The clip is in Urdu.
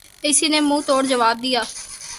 اس نے منہ توڑ جواب دیا۔